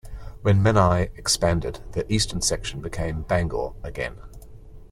When Menai expanded, the eastern section became Bangor again.